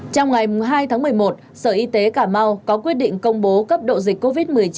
trong ngày hai tháng một mươi một sở y tế cà mau có quyết định công bố cấp độ dịch covid một mươi chín